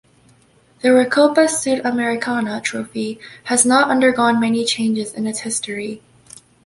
The Recopa Sudamericana trophy has not undergone many changes in its history.